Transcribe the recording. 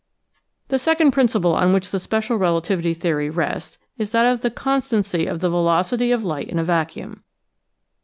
The second principle on which the special relativity theory rests is that of the constancy of the velocity of light in a vacuum.